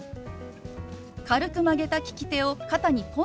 軽く曲げた利き手を肩にポンと置きます。